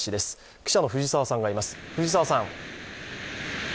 記者の藤澤さんがいます。